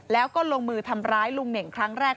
แล้วก็ลงมือทำร้ายลุงเหน่งครั้งแรก